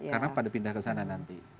karena pada pindah kesana nanti